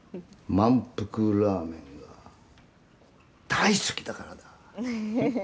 まんぷくラーメンが大好きだからだ。